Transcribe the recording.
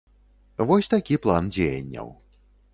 Вось такі план дзеянняў.